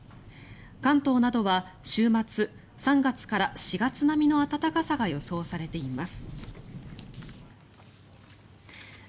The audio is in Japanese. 関東などは週末３月から４月並みの暖かさが予想されています。